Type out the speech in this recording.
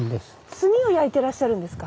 炭を焼いてらっしゃるんですか？